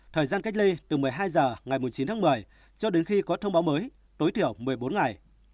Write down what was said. thời gian cách ly từ một mươi hai h ngày chín tháng một mươi cho đến khi có thông báo mới tối thiểu một mươi bốn ngày